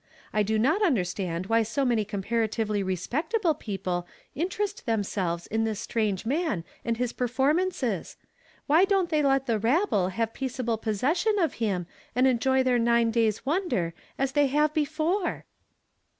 I do not understand why so many comparatively respectable people interest themselves in this strange man and his perform ances. Why don't they let the rabble have •'THEY IIAVK TAIKillT THKIU TON'GUK." 201 peaceable possession of him, and enjoy their nine days' wondei", as they have Ixifore?"